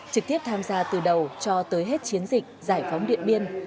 trực tiếp tham gia từ đầu cho tới hết chiến dịch giải phóng điện biên